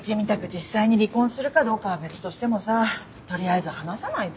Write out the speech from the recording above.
実際に離婚するかどうかは別としてもさ取りあえず話さないと。